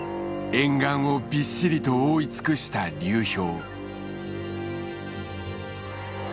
沿岸をびっしりと覆い尽くした流氷。